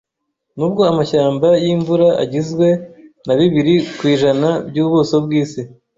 Nubwo amashyamba yimvura agizwe na bibiri ku ijana byubuso bwisi,